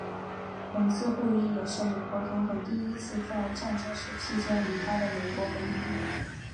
本次会议也是美国总统第一次在战争期间离开了美国本土。